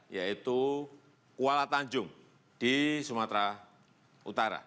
yaitu kuala tanjung di sumatera utara